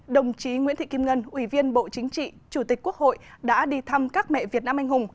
đồng chí nguyễn thị kim ngân ủy viên bộ chính trị chủ tịch quốc hội đã đi thăm các mẹ việt nam anh hùng